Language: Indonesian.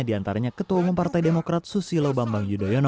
di antaranya ketua umum partai demokrat susilo bambang yudhoyono